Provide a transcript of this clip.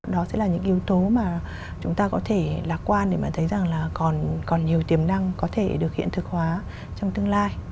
đó sẽ là những yếu tố mà chúng ta có thể lạc quan để bạn thấy rằng là còn nhiều tiềm năng có thể được hiện thực hóa trong tương lai